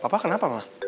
papa kenapa ma